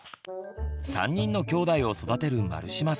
３人のきょうだいを育てる丸島さん